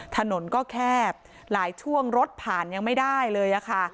ถนนก็แคบหลายช่วงรถผ่านยังไม่ได้เลยค่ะ